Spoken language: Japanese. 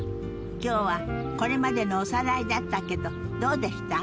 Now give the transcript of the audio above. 今日はこれまでのおさらいだったけどどうでした？